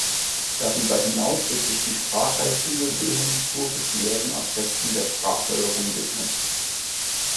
Darüber hinaus wird sich die Sprachheilschule Wilhelmsburg diversen Aspekten der Sprachförderung widmen.